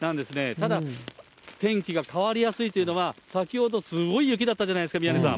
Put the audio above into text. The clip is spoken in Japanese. ただ天気が変わりやすいというのは、先ほどすごい雪だったじゃないですか、宮根さん。